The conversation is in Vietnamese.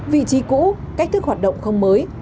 vị trí cũ cách thức hoạt động không mới